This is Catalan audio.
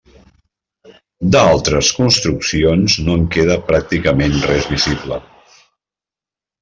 D'altres construccions no en queda pràcticament res visible.